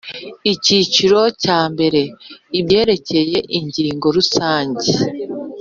Icyiciro cya mbere Ibyerekeye ingingo rusange